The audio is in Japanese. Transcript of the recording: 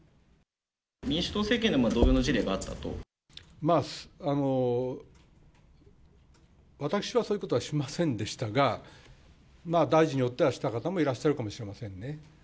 民主党政権でも同様の事例がまあ、私はそういうことはしませんでしたが、大臣によってはした方もいらっしゃるかもしれませんね。